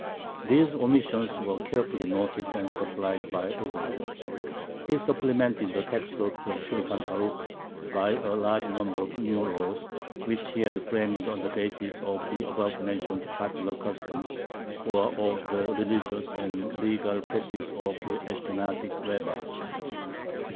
These omissions were carefully noted and supplied by Isserles. He supplemented the text of the Shulhan Arukh by a large number of new laws, which he had framed on the basis of the above mentioned popular customs or of the religious and legal practice of the Ashkenazic rabbis.